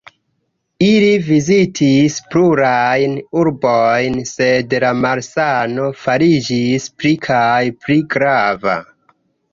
Ili vizitis plurajn urbojn, sed la malsano fariĝis pli kaj pli grava.